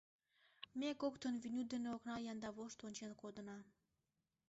Ме коктын Веню дене окна янда вошт ончен кодына.